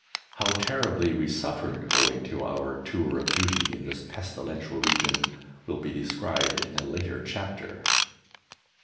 How terribly we suffered owing to our tour of duty in this pestilential region will be described in a later chapter.